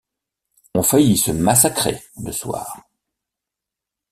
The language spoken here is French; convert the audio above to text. On faillit se massacrer, le soir.